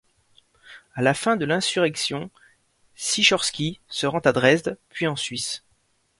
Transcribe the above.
À la fin de l'insurrection, Cichorski se rend à Dresde, puis en Suisse.